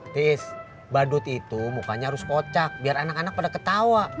terus badut itu mukanya harus kocak biar anak anak pada ketawa